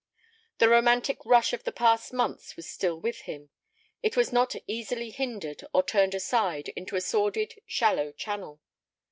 The romantic rush of the past months was still with him. It was not easily hindered or turned aside into a sordid, shallow channel.